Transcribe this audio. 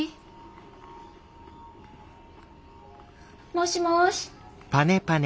もしもし。